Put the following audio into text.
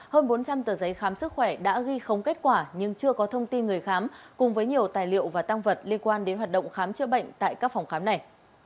hơn bốn trăm linh tờ giấy khám sức khỏe đã ghi khống kết quả nhưng chưa có thông tin người khám cùng với nhiều tài liệu và tăng vật liên quan đến hoạt động khám chữa bệnh tại các phòng khám này